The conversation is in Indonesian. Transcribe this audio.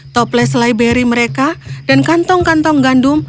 toples selai beri mereka dan kantong kantong gandum